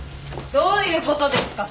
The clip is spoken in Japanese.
どういうことですか？